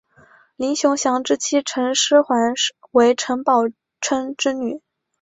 林熊祥之妻陈师桓为陈宝琛之女。